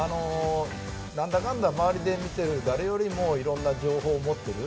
なんだかんだ周りで見ている誰よりもいろんな情報を持ってる。